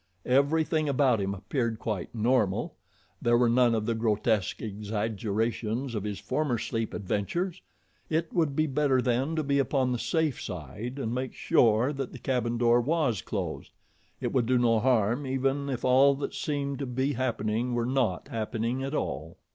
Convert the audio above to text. Everything about him appeared quite normal there were none of the grotesque exaggerations of his former sleep adventures. It would be better then to be upon the safe side and make sure that the cabin door was closed it would do no harm even if all that seemed to be happening were not happening at all.